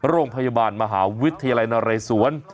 โรงพยาบาลมหาวิทยาลัยนเรศวร